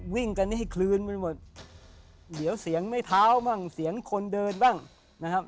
วิ่งกันให้คลืนไปหมดเดี๋ยวเสียงไม่เท้าบ้างเสียงคนเดินบ้างนะครับ